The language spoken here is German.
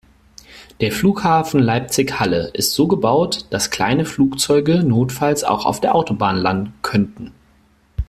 Der Flughafen Leipzig/Halle ist so gebaut, dass kleine Flugzeuge notfalls auch auf der Autobahn landen könnten.